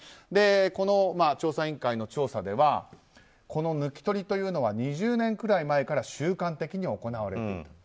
この調査委員会の調査では抜き取りというのは２０年くらい前から習慣的に行われていた。